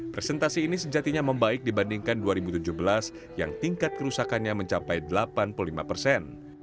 presentasi ini sejatinya membaik dibandingkan dua ribu tujuh belas yang tingkat kerusakannya mencapai delapan puluh lima persen